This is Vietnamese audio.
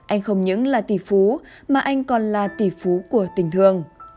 anh không những là tỷ phú mà anh còn là tỷ phú của tình thương